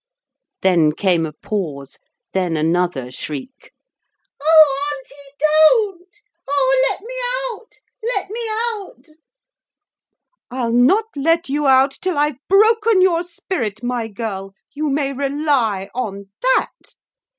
Then came a pause, then another shriek. 'Oh, Auntie, don't! Oh, let me out let me out!' 'I'll not let you out till I've broken your spirit, my girl; you may rely on that.'